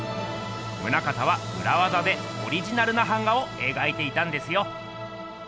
棟方はうらわざでオリジナルな版画をえがいていたんですよ。